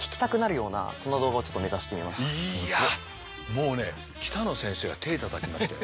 もうね北野先生が手たたきましたよ。